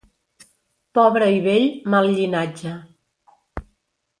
Pobre i vell, mal llinatge.